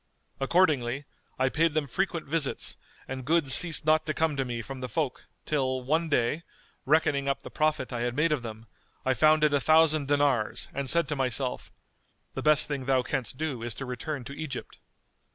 Accordingly, I paid them frequent visits and good ceased not to come to me from the folk till, one day, reckoning up the profit I had made of them, I found it a thousand dinars and said to myself, The best thing thou canst do is to return to Egypt.